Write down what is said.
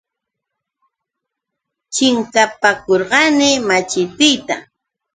Chinkapakurqani machitiita.